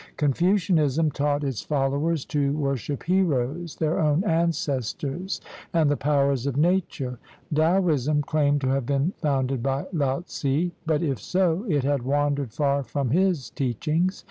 Confucianism taught its fol lowers to worship heroes, their own ancestors, and the powers of nature. Taoism claimed to have been founded by Laotze; but if so, it had wandered far from his teachings.